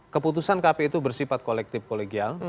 keputusan kpu itu bersifat kolektif kolegial